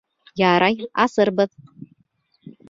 Ярай, асырбыҙ.